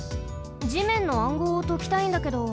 地面の暗号をときたいんだけど。